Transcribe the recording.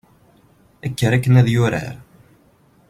kker akken ad yurar